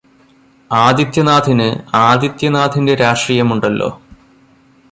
ആദിത്യനാഥിന് ആദിത്യനാഥിന്റെ രാഷ്ട്രീയമുണ്ടല്ലോ.